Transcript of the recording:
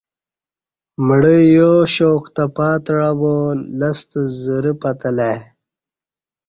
مڑہ یا شوق تہ پاتعہ با لستہ زرہ پتہ لہ ای